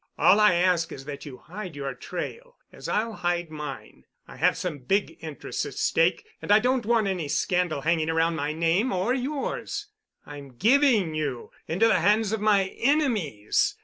All I ask is that you hide your trail, as I'll hide mine. I have some big interests at stake, and I don't want any scandal hanging around my name—or yours. I'm giving you into the hands of my enemies.